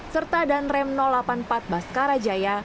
serta dan rem delapan puluh empat baskarajaya